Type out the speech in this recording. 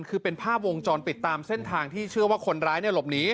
คือเป็นภาพวงจรปิดตามเส้นทางที่เชื่อว่าคนร้ายหลบหนี